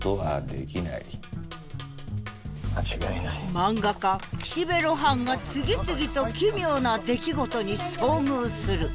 漫画家岸辺露伴が次々と「奇妙」な出来事に遭遇する。